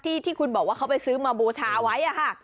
ที่คุณบอกว่าเขาไปซื้อมาบูชาไว้ค่ะ